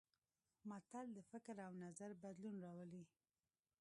متل د فکر او نظر بدلون راولي